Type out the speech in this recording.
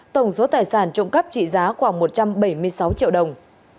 tổng số tài sản trộm cắp trị giá khoảng một trăm bảy mươi sáu triệu đồng